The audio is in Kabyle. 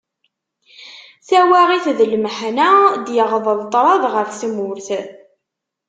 Tawaγit d lmeḥna d-yeγḍel ṭrad γef tmurt.